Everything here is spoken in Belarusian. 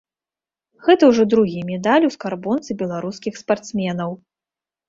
Гэта ўжо другі медаль у скарбонцы беларускіх спартсменаў.